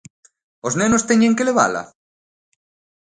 Os nenos teñen que levala?